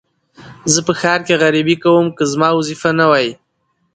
زه په ښار کې غريبي کوم که زما وظيفه نه وى.